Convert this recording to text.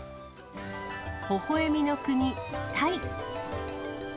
ほほえみの国、タイ。